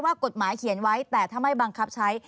ว่ากฎหมายเขียนไว้แต่ถ้าไม่บังคับใช้